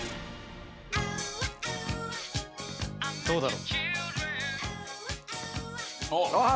「どうだろう？」